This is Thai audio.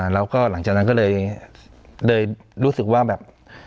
แล้วก็หลังจากนั้นก็เลยรู้สึกว่าแบบ